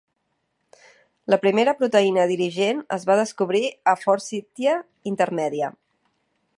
La primera proteïna dirigent es va descobrir a "Forsythia intermedia".